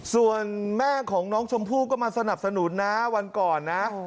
ส่วนแม่ของน้องชมพู่ก็มาสนับสนุนนะวันก่อนนะ